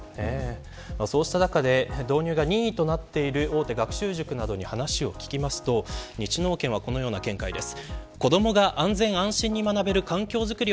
そうした中で、導入が任意となっている大手学習塾などに話を聞きますと日能研はこのような見解です。